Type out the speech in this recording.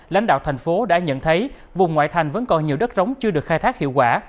lãnh đạo thành phố đã nhận thấy vùng ngoại thành vẫn còn nhiều đất rống chưa được khai thác hiệu quả